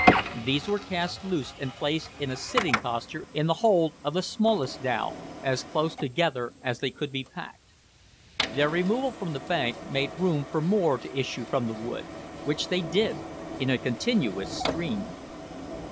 These were cast loose and placed in a sitting posture in the hold of the smallest dhow, as close together as they could be packed. Their removal from the bank made room for more to issue from the wood, which they did in a continuous stream.